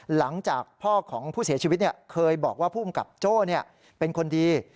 หลังจากพ่อของผู้เสียชีวิตเคยบอกว่าภูมิกับโจ้เป็นคนดี